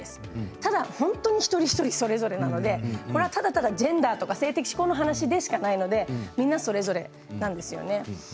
ただ本当に一人一人それぞれなのでただただジェンダーとか性的指向の話でしかないのでみんなそれぞれなんですよね。